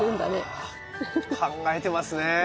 うわ考えてますね。